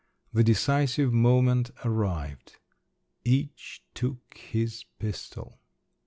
The decisive moment arrived…. "Each took his pistol…."